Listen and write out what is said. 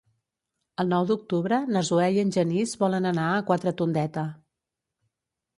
El nou d'octubre na Zoè i en Genís volen anar a Quatretondeta.